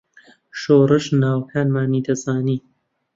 شۆڕش ناوەکانمانی دەزانی.